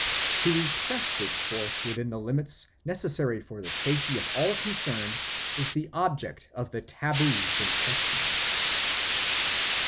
To repress this force within the limits necessary for the safety of all concerned is the object of the taboos in question.